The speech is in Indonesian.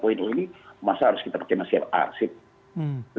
ini masa harus kita pakai nasib r seed